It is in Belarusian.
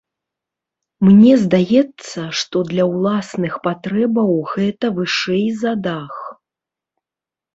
Мне здаецца, што для ўласных патрэбаў гэта вышэй за дах.